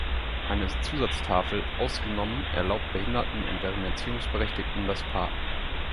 Eine Zusatztafel „ausgenommen“ erlaubt Behinderten und deren Erziehungsberechtigten das Parken.